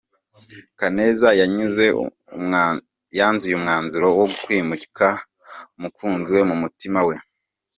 Kaneza yanzuye umwanzuro wo kwimika umukunzi we mu mutima we.